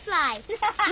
アハハハ。